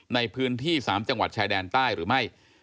ในพื้นที่๓จังหวัดชายแดนใต้หรือไม่